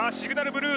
ブルー